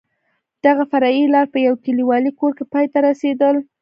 دغه فرعي لار په یو کلیوالي کور کې پای ته رسېدل.